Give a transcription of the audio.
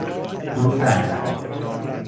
حروف الفبا